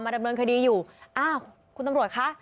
ดำเนินคดีอยู่อ้าวคุณตำรวจคะ